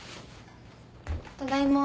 ただいま。